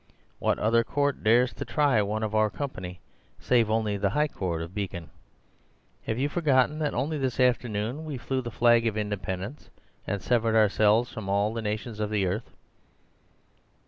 What other court dares to try one of our company, save only the High Court of Beacon? Have you forgotten that only this afternoon we flew the flag of independence and severed ourselves from all the nations of the earth?"